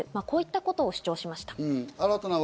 こういったことを主張しました。